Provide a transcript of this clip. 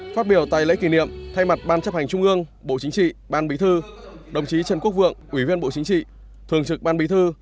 phát biểu tại lễ kỷ niệm thay mặt ban chấp hành trung ương bộ chính trị ban bí thư đồng chí trần quốc vượng ủy viên bộ chính trị thường trực ban bí thư